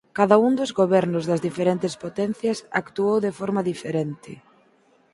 Cada un dos gobernos das diferentes potencias actuou de forma diferente.